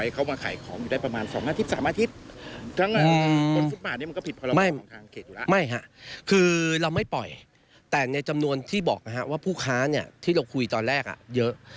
คือเราไม่ปล่อยแต่ในจำนวนที่บอกว่าผู้ค้าเนี่ยที่เราคุยตอนแรกเยอะ